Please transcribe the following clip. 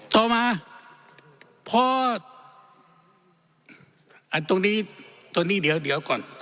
ต่อมาว่าพอตรงนี้เดี๋ยวก่อน